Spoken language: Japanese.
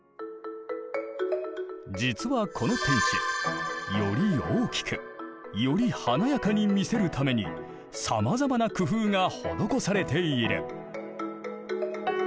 実はこの天守より大きくより華やかに見せるためにさまざまな工夫が施されている。